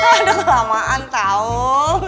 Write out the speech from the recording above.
aduh kelamaan tahun